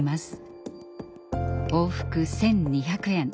往復１，２００円。